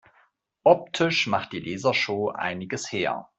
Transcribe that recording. Optisch macht die Lasershow einiges her.